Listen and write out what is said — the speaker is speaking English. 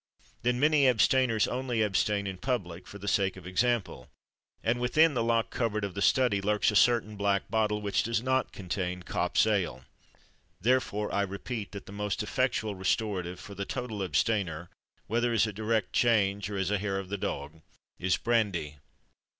Then many abstainers only abstain in public, for the sake of example. And within the locked cupboard of the study lurks a certain black bottle, which does not contain Kopps's ale. Therefore I repeat that the most effectual restorative for the total abstainer whether as a direct change, or as a hair of the dog is brandy.